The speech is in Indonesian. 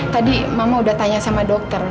tadi mama udah tanya sama dokter